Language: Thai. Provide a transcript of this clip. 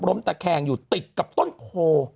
ตะแคงอยู่ติดกับต้นโพ